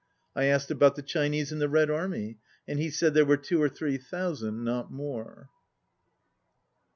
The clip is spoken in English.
I asked about the Chi nese in the Red Army, and he said there were two or three thousand, not more.